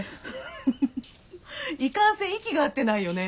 フフフいかんせん息が合ってないよね。